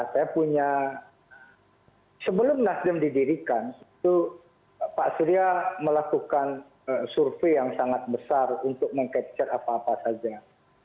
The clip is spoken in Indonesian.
saya punya sebelum nasdem didirikan itu pak surya melakukan survei yang sangat besar untuk meng capture apa apa saja